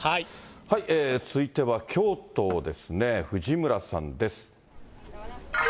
続いては京都ですね、藤村さんです。